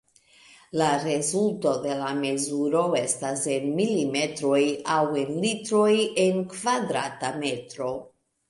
La rezulto de la mezuro estas en milimetroj aŭ en litroj en kvadrata metro.